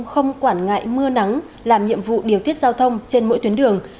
không quản ngại mưa nắng làm nhiệm vụ điều tiết giao thông trên mỗi tuyến đường